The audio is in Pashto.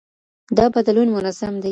دا بدلون منظم دی.